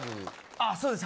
あそうです。